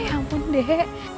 ya ampun deh